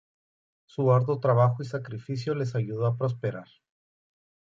Su arduo trabajo y sacrificio les ayudó a prosperar.